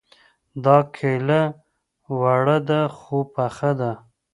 دا کيله وړه ده خو پخه ده